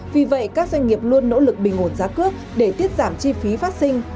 vì vậy các doanh nghiệp luôn nỗ lực bình ổn giá cước để tiết giảm chi phí phát sinh